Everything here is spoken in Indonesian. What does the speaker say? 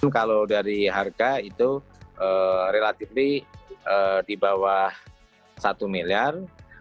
kalau dari harga itu relatif di bawah satu miliar